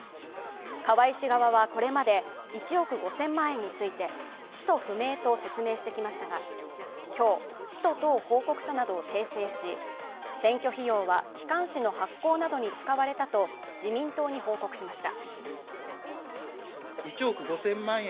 河井氏側はこれまで１億５０００万円について使途不明と説明してきましたが今日、使途等報告書などを訂正し選挙費用は機関誌の発行などに使われたと自民党に報告しました。